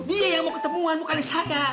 gini yang mau ketemuan bukan saya